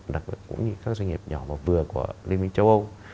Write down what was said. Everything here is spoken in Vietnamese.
đặc biệt cũng như các doanh nghiệp nhỏ và vừa của liên minh châu âu